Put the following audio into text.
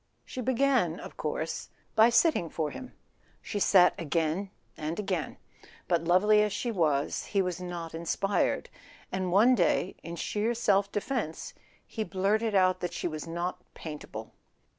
She began, of course, by sitting for him. She sat again and again; but, lovely as she was, he was not inspired, and one day, in sheer self defence, he blurted out that she was not paintable.